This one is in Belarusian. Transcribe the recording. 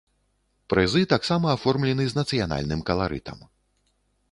Прызы таксама аформлены з нацыянальным каларытам.